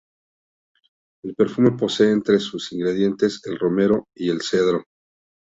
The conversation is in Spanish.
El perfume posee entre sus ingredientes el romero y el cedro.